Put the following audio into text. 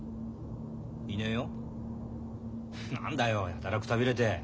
やたらくたびれて。